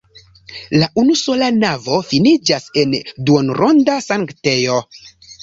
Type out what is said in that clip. La unusola navo finiĝas en duonronda sanktejo.